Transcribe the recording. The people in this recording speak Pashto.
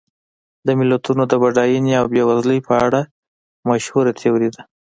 د ملتونو د بډاینې او بېوزلۍ په اړه مشهوره تیوري ده.